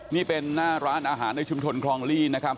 นี่เป็นหน้าร้านอาหารในชุมชนคลองลี่นะครับ